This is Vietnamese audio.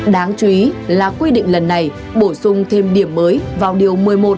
đáng chú ý là quy định lần này bổ sung thêm điểm mới vào điều một mươi một